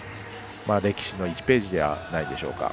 歴史の１ページではないでしょうか。